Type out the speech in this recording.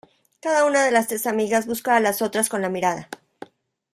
Cada una de las tres amigas busca a las otras con la mirada.